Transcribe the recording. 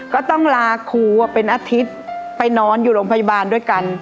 ก็ต้องลาครูเป็นอาทิตย์ไปนอนอยู่โรงพยาบาลด้วยกัน